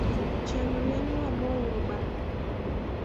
Chieng rieny wamouru bando gi